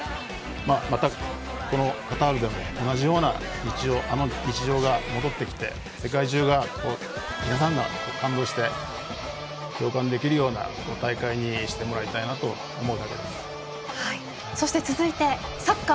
また、このカタールでも同じような、あの日常が戻ってきて世界中のファンが感動して共感できるような大会にしてもらいたいなと思うだけです。